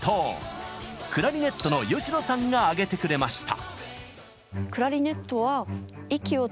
クラリネットの吉野さんが挙げてくれました。